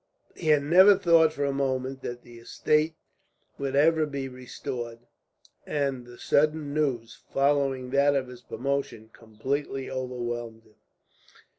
He had never thought for a moment that the estate would ever be restored, and the sudden news, following that of his promotion, completely overwhelmed him.